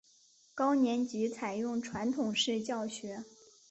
高年级采用传统式教学。